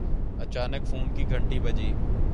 اچانک فون کی گھنٹی بجی